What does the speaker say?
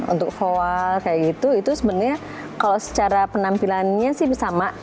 untuk voal kayak gitu itu sebenarnya kalau secara penampilannya sih sama